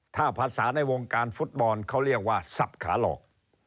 ถ้าภาษาในวงการฟุตบอลเขาเรียกว่าสับขาหลอก